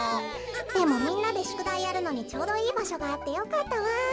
でもみんなでしゅくだいやるのにちょうどいいばしょがあってよかったわ。